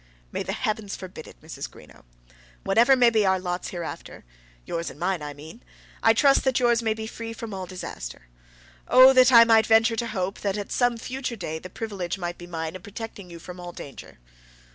"May the heavens forbid it, Mrs. Greenow! Whatever may be our lots hereafter, yours I mean and mine, I trust that yours may be free from all disaster. Oh, that I might venture to hope that, at some future day, the privilege might be mine of protecting you from all danger!"